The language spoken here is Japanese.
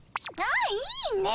ああいいね。